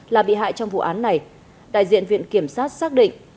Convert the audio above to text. là bị hại trong vụ án này đại diện viện kiểm sát xác định